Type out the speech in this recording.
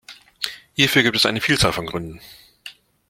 Hierfür gibt es eine Vielzahl von Gründen.